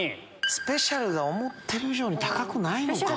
スペシャルが思ってる以上に高くないのか？